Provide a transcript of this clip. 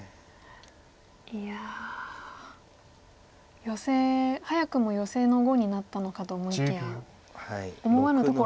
いや。早くもヨセの碁になったのかと思いきや思わぬところから。